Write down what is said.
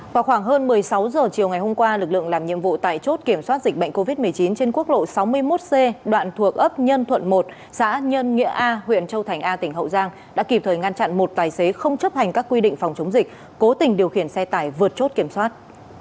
vào khoảng hơn một mươi sáu h chiều ngày hôm qua lực lượng làm nhiệm vụ tại chốt kiểm soát dịch bệnh covid một mươi chín trên quốc lộ sáu mươi một c đoạn thuộc ấp nhân thuận một xã nhân nghĩa a huyện châu thành a tỉnh hậu giang đã kịp thời ngăn chặn một tài xế không chấp hành các quy định phòng chống dịch cố tình điều khiển xe tải vượt chốt kiểm soát